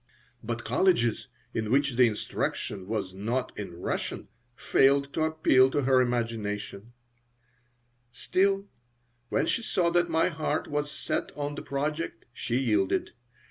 But colleges in which the instruction was not in Russian failed to appeal to her imagination Still, when she saw that my heart was set on the project, she yielded.